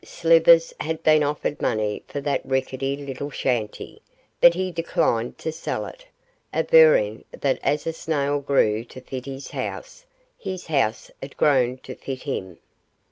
Slivers had been offered money for that ricketty little shanty, but he declined to sell it, averring that as a snail grew to fit his house his house had grown to fit him.